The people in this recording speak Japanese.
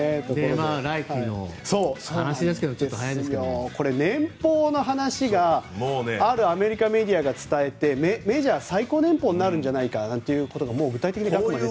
来季の話ですけど年俸の話をあるアメリカメディアが伝えてメジャー最高年俸になるんじゃないかということがもう具体的に額まで。